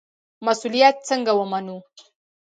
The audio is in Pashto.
مسوولیت څنګه ومنو؟